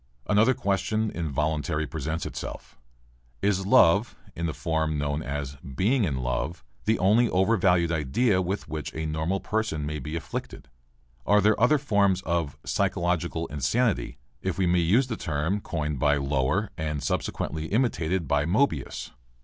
Another question involuntarily presents itself. Is love, in the form known as "being in love," the only overvalued idea with which a normal person may be afflicted? Are there any other forms of "physiological insanity" if we may use the term coined by Lower and subsequently imitated by Moebius?